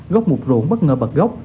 gốc một ruộng bất ngờ bật gốc